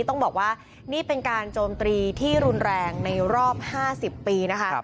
ต้องบอกว่านี่เป็นการโจมตีที่รุนแรงในรอบ๕๐ปีนะคะ